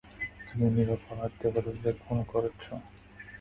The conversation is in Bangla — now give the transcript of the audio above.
তুমি নিরপরাধ দেবতাদের খুন করছ।